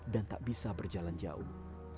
dan tak bisa berjalan jauh